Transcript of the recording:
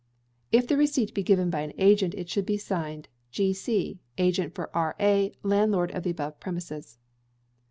If the receipt be given by an agent, it should be signed: G. C., Agent for R.A., landlord of the above premises.